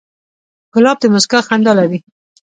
ګلاب د موسکا خندا لري.